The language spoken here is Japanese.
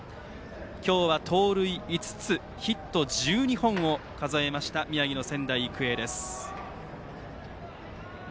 今日は盗塁５つヒット１２本を数えました宮城の仙台育英です。